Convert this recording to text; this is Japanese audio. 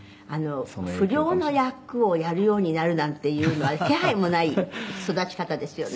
「不良の役をやるようになるなんていうのは気配もない育ち方ですよね？」